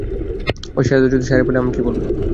ঐ শেহজাদা যদি শাহেরি বলে আমি কি বলবো?